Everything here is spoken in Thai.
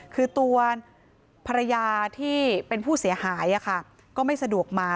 คือตัวภรรยาที่เป็นผู้เสียหายก็ไม่สะดวกมา